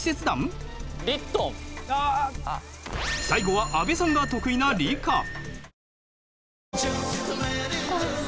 最後は阿部さんが得意な理科。